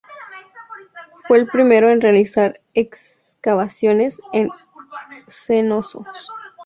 Fue el primero en realizar excavaciones en Cnosos.